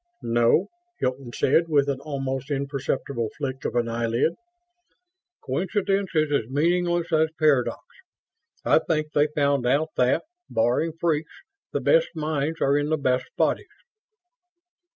"No," Hilton said, with an almost imperceptible flick of an eyelid. "Coincidence is as meaningless as paradox. I think they found out that barring freaks the best minds are in the best bodies."